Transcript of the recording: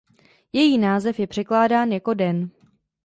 Její název je překládán jako „den“.